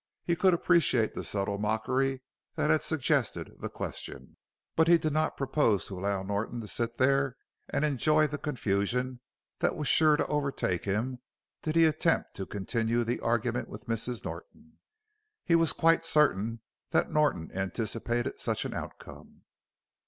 He could appreciate the subtle mockery that had suggested the question, but he did not purpose to allow Norton to sit there and enjoy the confusion that was sure to overtake him did he attempt to continue the argument with Mrs. Norton. He was quite certain that Norton anticipated such an outcome.